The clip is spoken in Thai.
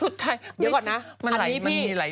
เดี๋ยวก่อนนะอันนี้พี่